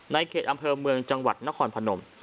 ในเขตอำเภอเมืองจังหวัดนครพนม